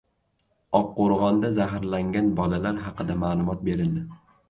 Oqqo‘rg‘onda zaharlangan bolalar haqida ma’lumot berildi